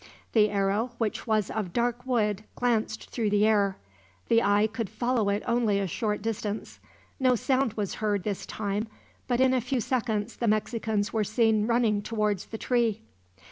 The arrow, which was of dark wood, glanced through the air. The eye could follow it only a short distance. No sound was heard this time, but in a few seconds the Mexicans were seen running towards the tree.